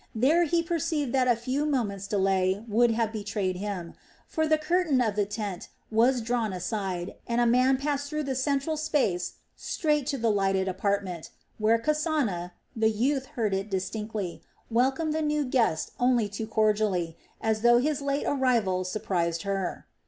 There he perceived that a few moments' delay would have betrayed him; for the curtain of the tent was drawn aside and a man passed through the central space straight to the lighted apartment, where Kasana the youth heard it distinctly welcomed the new guest only too cordially, as though his late arrival surprised her.